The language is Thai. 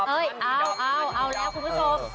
เอ้ยเอาเอาแล้วคุณผู้ชม